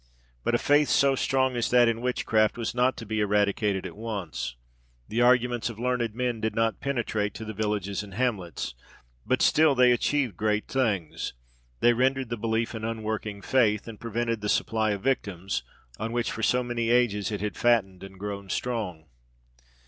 But a faith so strong as that in witchcraft was not to be eradicated at once: the arguments of learned men did not penetrate to the villages and hamlets; but still they achieved great things; they rendered the belief an unworking faith, and prevented the supply of victims, on which for so many ages it had battened and grown strong.